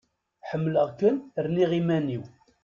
Ḥemleɣ-ken, rniɣ iman-iw!